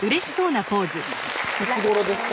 いつごろですか？